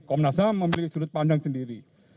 komnas ham memiliki sudut pandang sendiri